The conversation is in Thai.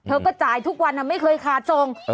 เธอก็จ่ายทุกวันไม่เคยขาดส่ง